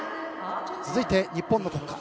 続いて、日本の国歌。